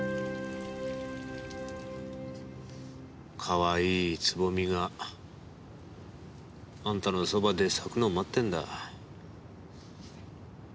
かわいいつぼみがあんたのそばで咲くのを待ってんだ。